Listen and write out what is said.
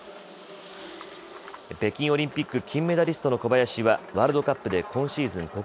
北京オリンピック金メダリストの小林はワールドカップで今シーズン